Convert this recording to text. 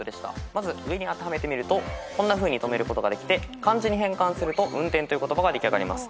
まず上に当てはめてみるとこんなふうに止めることができて漢字に変換すると「運転」という言葉が出来上がります。